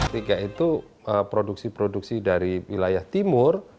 tiga itu produksi produksi dari wilayah timur